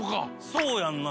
そうやんな。